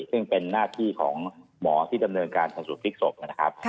ซึ่งเป็นหน้าที่ของหมอที่ดำเนินการชนสูตรพลิกศพนะครับ